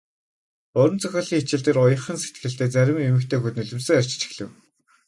Уран зохиолын хичээл дээр уяхан сэтгэлтэй зарим эмэгтэй хүүхэд нулимсаа арчиж эхлэв.